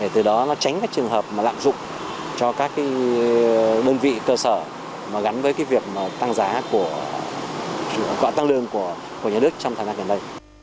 từ đó nó tránh các trường hợp lạm dụng cho các đơn vị cơ sở gắn với việc tăng lương của nhà nước trong thời gian gần đây